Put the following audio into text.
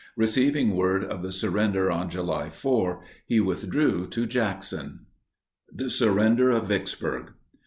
Receiving word of the surrender on July 4, he withdrew to Jackson. THE SURRENDER OF VICKSBURG.